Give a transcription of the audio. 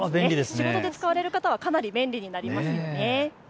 仕事で使われる方、かなり便利になりますね。